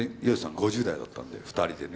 ５０代だったんで２人でね。